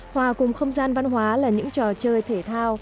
hòa cùng không gian văn hóa là những trò chơi thể thao